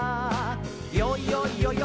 「よいよいよよい